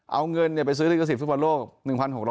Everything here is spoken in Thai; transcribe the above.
เอาเงินไปซื้อด้วยกระสิทธิวศืนโพนโลก